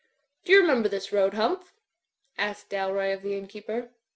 "Do you remember this road, Hump?" asked Dal roy of the innkeeper.